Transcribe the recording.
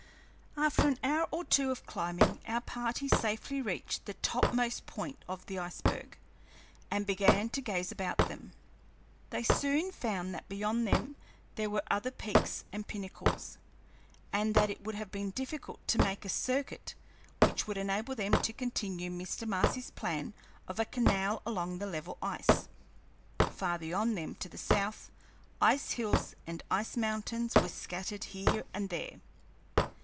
After an hour or two of climbing, our party safely reached the topmost point of the iceberg, and began to gaze about them. They soon found that beyond them there were other peaks and pinnacles, and that it would have been difficult to make a circuit which would enable them to continue Mr. Marcy's plan of a canal along the level ice. Far beyond them, to the south, ice hills and ice mountains were scattered here and there.